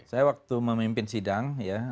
saya waktu memimpin sidang ya